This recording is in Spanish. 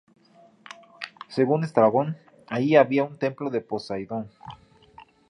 Según Estrabón, allí había un templo de Poseidón.